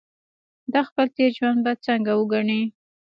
دا خپل تېر ژوند به څنګه وګڼي.